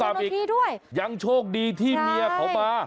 ก็มีครูเจ้าหน้าที่ด้วยยังโชคดีที่เมียเขามา